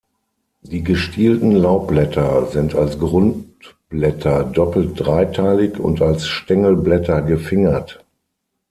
Die gestielten Laubblätter sind als Grundblätter doppelt dreiteilig und als Stängelblätter gefingert.